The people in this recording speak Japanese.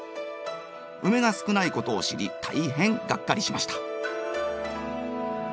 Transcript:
ウメが少ないことを知り大変がっかりしました。